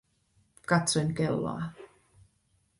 Katsoin kelloa.